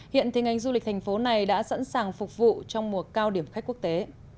hiện thì ngành du lịch thành phố này đã sẵn sàng phục vụ trong mùa cao điểm khách quốc tế